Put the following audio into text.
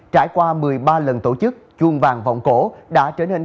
trải qua một mươi ba lần tổ chức chuông vàng vọng cổ đã trở nên